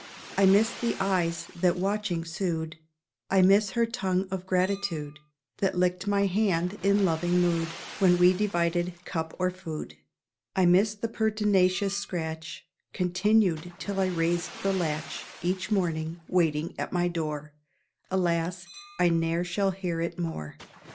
I miss the eyes that, watching, sued; I miss her tongue of gratitude That licked my hand, in loving mood, When we divided cup or food. I miss the pertinacious scratch (Continued till I raised the latch Each morning), waiting at my door; Alas, I ne'er shall hear it more.